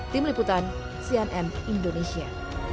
tim liputan cnn indonesia